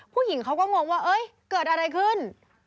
ผู้หญิงเขาก็งงว่าเกิดอะไรขึ้น